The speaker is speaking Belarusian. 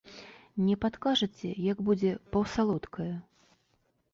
Не падкажаце, як будзе паўсалодкае?